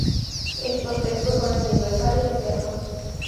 Estos textos son universales y eternos.